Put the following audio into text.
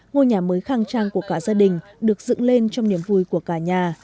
ngôi nhà mới khang trang của cả gia đình được dựng lên trong niềm vui của cả nhà